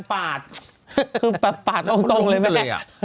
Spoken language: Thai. ปาดคือปาดตรงเลยไหม